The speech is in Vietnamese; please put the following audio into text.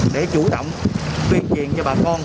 để chủ động tuyên truyền cho bà con